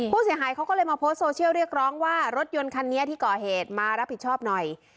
ผู้เสียหายเขาก็เลยมาโพสต์โซเชียลเรียกร้องว่ารถยนต์คันนี้ที่ก่อเหตุมารับผิดชอบหน่อย